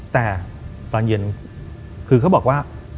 แต่ตอนเย็นคือเขาบอกว่า